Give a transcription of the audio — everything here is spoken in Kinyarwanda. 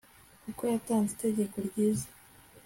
kuko yatanze itegeko ryiza